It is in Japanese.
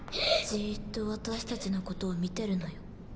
ジーッと私たちのことを見てるのよ。